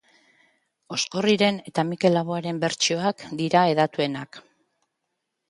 Oskorriren eta Mikel Laboaren bertsioak dira hedatuenak.